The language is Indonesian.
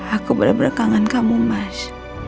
aku benar benar kangen kamu mas